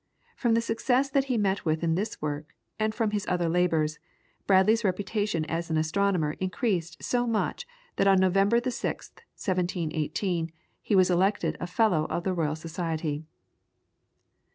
From the success that he met with in this work, and from his other labours, Bradley's reputation as an astronomer increased so greatly that on November the 6th, 1718, he was elected a Fellow of the Royal Society.